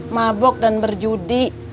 mabok dan berjudi